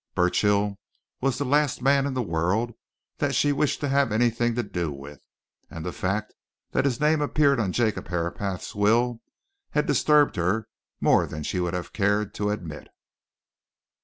Burchill was the last man in the world that she wished to have anything to do with, and the fact that his name appeared on Jacob Herapath's will had disturbed her more than she would have cared to admit.